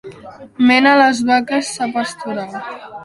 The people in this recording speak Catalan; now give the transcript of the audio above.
Mena les vaques a pasturar.